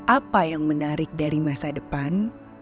apa yang menarik dari masa depan